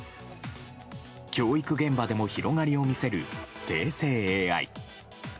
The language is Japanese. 教育現場でも広がりを見せる生成ＡＩ。